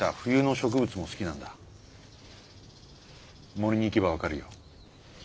森に行けば分かるよ。